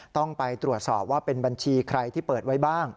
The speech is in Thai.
ต้องไปตรวจสอบว่าเป็นบัญชีใครที่เปิดไว้บ้าง